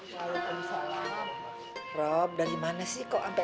kalau dia mau minum mau apa ya